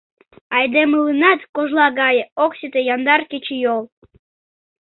Айдемыланат — кожла гае — Ок сите яндар кечыйол…